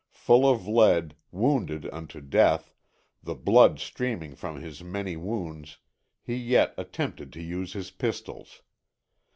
Full of lead, wounded unto death, the blood streaming from his many wounds, he yet attempted to use his pistols.